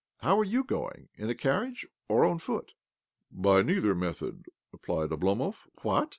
How are you going— in a carriage or on foot? "" By neither method," replied Oblomov. " What